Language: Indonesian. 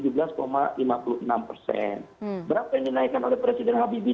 berapa yang dinaikkan oleh presiden habibie